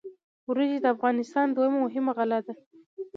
وریجې د افغانستان دویمه مهمه غله ده.